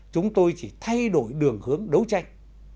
chúng tôi chỉ thay đổi đường hướng đấu tranh